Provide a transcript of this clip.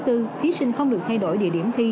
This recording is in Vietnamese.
thí sinh không được thay đổi địa điểm thi